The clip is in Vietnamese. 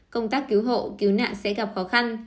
công tác cứu hộ cứu nạn sẽ gặp khó khăn